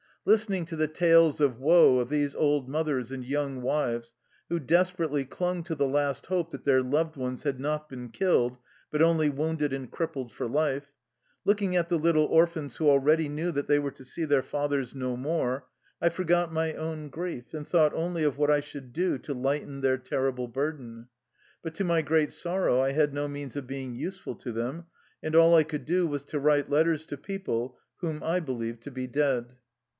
Listening to the tales of woe of these old mothers and young wives, who desper ately clung to the last hope that their loved ones had not been killed, but only wounded and crippled for life; looking at the little orphans who already knew that they were to see their fathers no more, I forgot my own grief and thought only of what I should do to lighten their terrible burden. But to my great sorrow I had no means of being useful to them, and all I could do was to write letters to people whom I believed to be dead.